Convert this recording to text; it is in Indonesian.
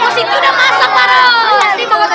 masa itu udah masak pak roy